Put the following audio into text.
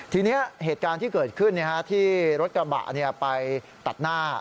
ทีนี้เหตุการณ์ที่เกิดขึ้นที่รถกระบะไปตัดหน้า